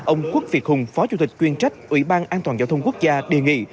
ông quốc việt hùng phó chủ tịch chuyên trách ủy ban an toàn giao thông quốc gia đề nghị